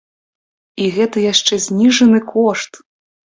І гэта яшчэ зніжаны кошт!